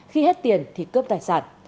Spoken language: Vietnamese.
khi hết tiền thì cướp tài sản